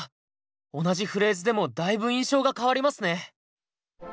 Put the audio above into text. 同じフレーズでもだいぶ印象が変わりますね。